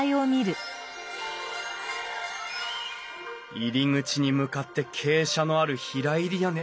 入り口に向かって傾斜のある平入り屋根。